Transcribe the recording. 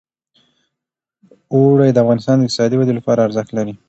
اوړي د افغانستان د اقتصادي ودې لپاره ارزښت لري.